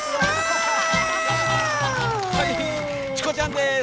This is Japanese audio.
はいチコちゃんです。